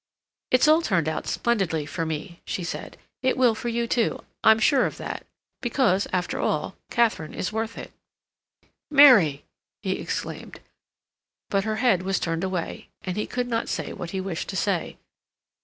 "It's all turned out splendidly for me," she said. "It will for you, too. I'm sure of that. Because, after all, Katharine is worth it." "Mary—!" he exclaimed. But her head was turned away, and he could not say what he wished to say.